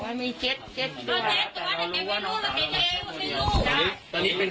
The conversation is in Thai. ไปเถอะไอ้สักกัน